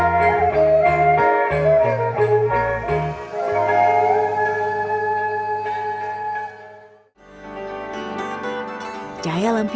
di video ini yang menarik